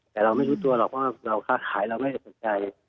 แต่เราไม่รู้ตัวหรอกว่าเราค้าขายเราไม่ได้สนใจ